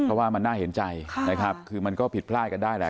เพราะว่ามันน่าเห็นใจนะครับคือมันก็ผิดพลาดกันได้แหละ